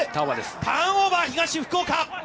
ターンオーバー、東福岡。